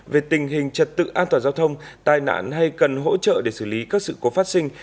về tình hình trật tự an toàn giao thông tai nạn hay cần hỗ trợ để xử lý các sự cố phát sinh